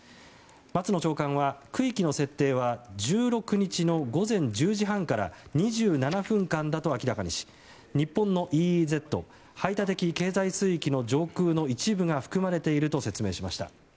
松野長官は区域の設定は１６日の午前１０時半から２７分間だと明らかにし日本のＥＥＺ・排他的経済水域の上空の一部が含まれていると説明しました。